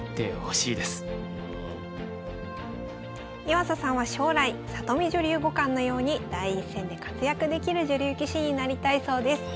岩佐さんは将来里見女流五冠のように第一線で活躍できる女流棋士になりたいそうです。